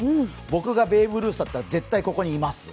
僕がベーブ・ルースだったら絶対ここにいます。